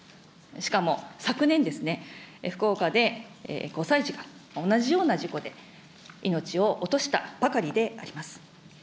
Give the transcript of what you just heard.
しかも昨年ですね、福岡で５歳児が同じような事故で、命を落としたばかりであります。